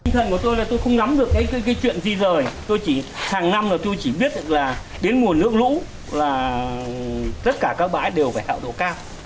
tôi không nắm được cái chuyện di rời hàng năm là tôi chỉ biết là đến mùa nước lũ là tất cả các bãi đều phải hạo độ cao